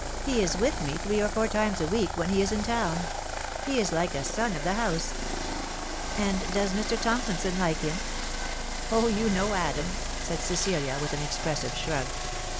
He is with me three or four times a week when he is in town. He is like a son of the house." " And does Mr. Tomkison like him ?"" O, you know Adam," said Cecilia, with an expressive shrug.